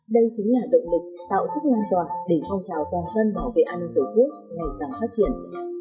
đây chính là động lực tạo sức an toàn để phong trào toàn dân bảo vệ an ninh của quốc ngày càng phát triển